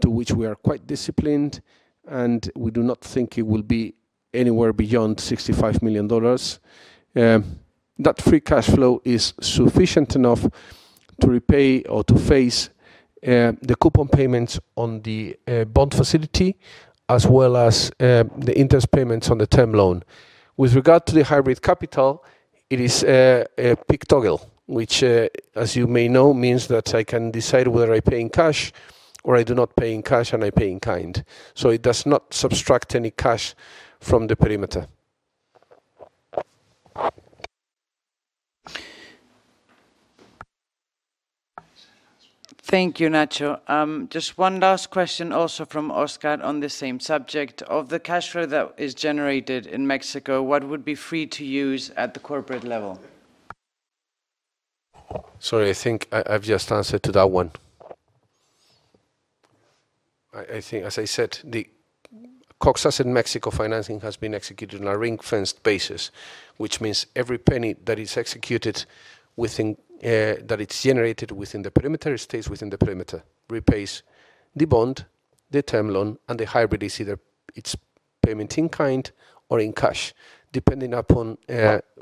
to which we are quite disciplined, and we do not think it will be anywhere beyond $65 million. That free cash flow is sufficient enough to repay or to face the coupon payments on the bond facility, as well as the interest payments on the term loan. With regard to the hybrid capital, it is a PIK toggle, which, as you may know, means that I can decide whether I pay in cash or I do not pay in cash and I pay in kind. It does not subtract any cash from the perimeter. Thank you, Nacho. Just one last question, also from Oscar, on the same subject. Of the cash flow that is generated in Mexico, what would be free to use at the corporate level? Sorry, I think I've just answered to that one. As I said, the Cox Asset Mexico financing has been executed on a ring-fenced basis, which means every penny that is generated within the perimeter stays within the perimeter, repays the bond, the term loan, and the hybrid is either payment in kind or in cash, depending upon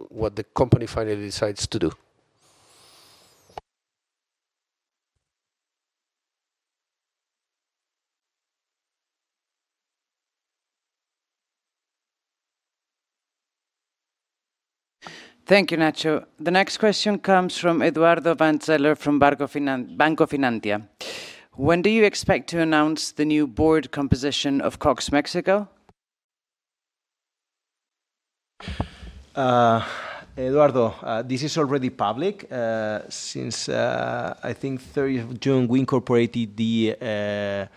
what the company finally decides to do. Thank you, Nacho. The next question comes from Eduardo Vanzeller from Banco Finantia. When do you expect to announce the new board composition of Cox Mexico? Eduardo, this is already public. Since I think 30th June, we incorporated the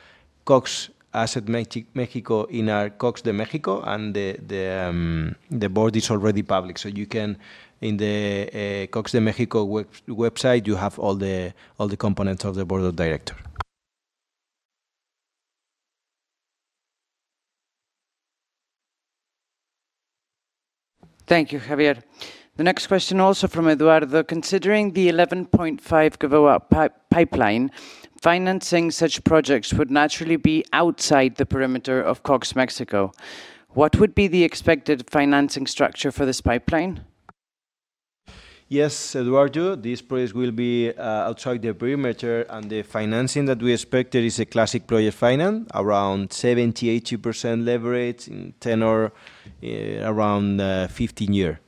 Cox Asset Mexico in our Cox de México, and the board is already public. You can, in the Cox de México website, you have all the components of the board of director. Thank you, Javier. The next question also from Eduardo. Considering the 11.5 GW pipeline, financing such projects would naturally be outside the perimeter of Cox Mexico. What would be the expected financing structure for this pipeline? Yes, Eduardo, this project will be outside the perimeter, the financing that we expected is a classic project finance, around 70%-80% leverage in tenure around 15 year.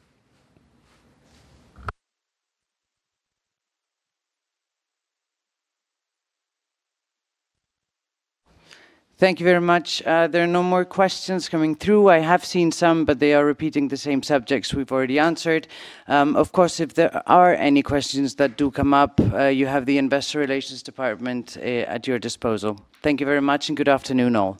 Thank you very much. There are no more questions coming through. I have seen some, but they are repeating the same subjects we've already answered. Of course, if there are any questions that do come up, you have the investor relations department at your disposal. Thank you very much, and good afternoon all.